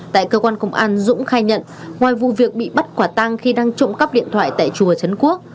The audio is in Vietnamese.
tại cơ quan công an dũng khai nhận ngoài vụ việc bị bắt quả tang khi đang trộm cắp điện thoại tại chùa trấn quốc